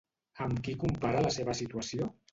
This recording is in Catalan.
Amb qui compara la seva situació?